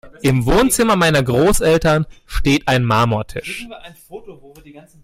Im Wohnzimmer meiner Großeltern steht ein Marmortisch.